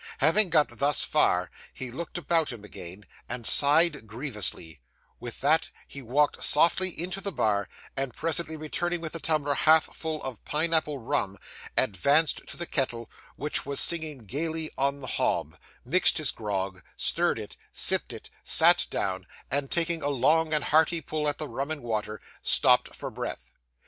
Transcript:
Having got thus far, he looked about him again, and sighed grievously; with that, he walked softly into the bar, and presently returning with the tumbler half full of pine apple rum, advanced to the kettle which was singing gaily on the hob, mixed his grog, stirred it, sipped it, sat down, and taking a long and hearty pull at the rum and water, stopped for breath.